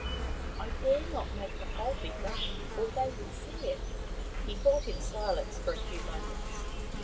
I dare not make the hole bigger, or they would see it." He thought in silence for a few moments.